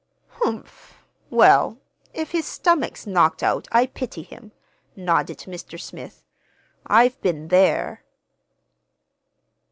"Humph! Well, if his stomach's knocked out I pity him," nodded Mr. Smith. "I've been there."